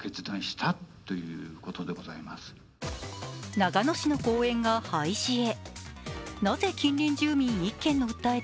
長野市の公園が廃止へ。